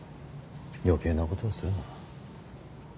余計なことはするな。